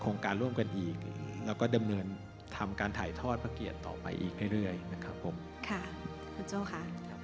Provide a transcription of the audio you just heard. โครงการร่วมกันอีกแล้วก็ดำเนินทำการถ่ายทอดพระเกียรติต่อไปอีกเรื่อยนะครับผมค่ะคุณโจ้ค่ะครับ